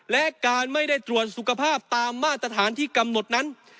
และการไม่ได้ตรวจสุขภาพตามมาตรฐานที่กำหนดนั้น